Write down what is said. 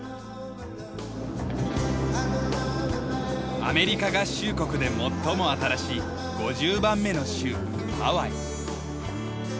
アメリカ合衆国で最も新しい５０番目の州ハワイ。